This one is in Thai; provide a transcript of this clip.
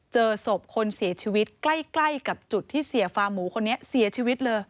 เจอศพคนเสียชีวิตใกล้กับจุดที่เสียฟาร์หมูคนนี้เสียชีวิตเลย